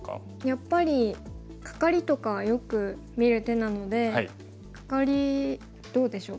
やっぱりカカリとかよく見る手なのでカカリどうでしょうか？